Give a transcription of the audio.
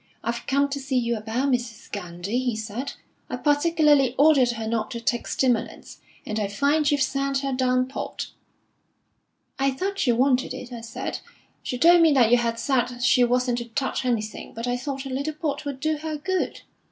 'I've come to see you about Mrs. Gandy,' he said. 'I particularly ordered her not to take stimulants, and I find you've sent her down port.' 'I thought she wanted it,' I said. 'She told me that you had said she wasn't to touch anything, but I thought a little port would do her good.'